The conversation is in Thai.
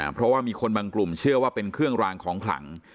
เพราะว่ามีคนบางกลุ่มเชื่อว่าเป็นเครื่องรางของขลัง